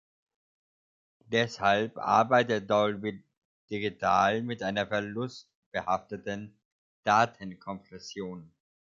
Deshalb arbeitet Dolby Digital mit einer verlustbehafteten Datenkompression.